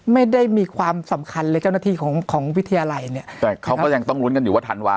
ไม่ได้มีความสำคัญเลยเจ้าหน้าที่ของของวิทยาลัยเนี่ยแต่เขาก็ยังต้องลุ้นกันอยู่ว่าธันวา